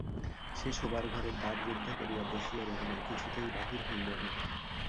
সে শোবার ঘরের দ্বার রুদ্ধ করিয়া বসিয়া রহিল, কিছুতেই বাহির হইল না।